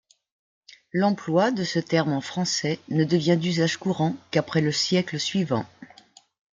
L'emploi de ce terme en français ne devient d'usage courant qu'après le siècle suivant.